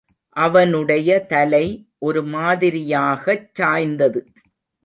அவனுடைய தலை ஒரு மாதிரியாகச் சாய்ந்தது.